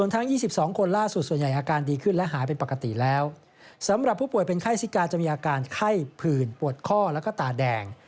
แต่จะมีอาการไข้ผื่นปวดข้อแล้วก็ตาแดง